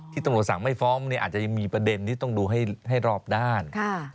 ที่ตรงโดยสั่งไม่ฟ้อมอันนี้อาจจะมีประเด็นที่ต้องดูให้รอบด้าน